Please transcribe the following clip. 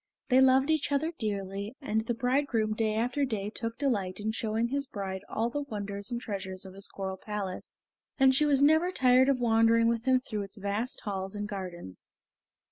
They loved each other dearly, and the bridegroom day after day took delight in showing his bride all the wonders and treasures of his coral palace, and she was never tired of wandering with him through its vast halls and gardens.